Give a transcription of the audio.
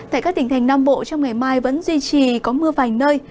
tại các tỉnh thành nam bộ trong ngày mai vẫn duy trì có mưa vài nơi